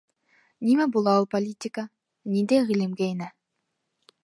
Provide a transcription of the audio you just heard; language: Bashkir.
— Нимә була ул политика, ниндәй ғилемгә инә?